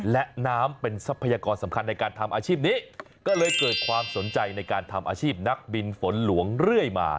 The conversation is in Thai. และน้ำเป็นทรัพยากรสำคัญในการทำอาชีพนี้ก็เลยเกิดความสนใจในการทำอาชีพนักบินฝนหลวงเรื่อยมา